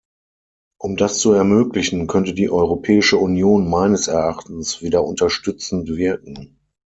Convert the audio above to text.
Um das zu ermöglichen, könnte die Europäische Union meines Erachtens wieder unterstützend wirken.